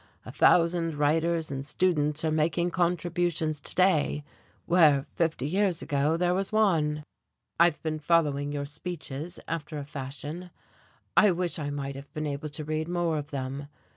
A thousand writers and students are making contributions today where fifty years ago there was one." "I've been following your speeches, after a fashion, I wish I might have been able to read more of them.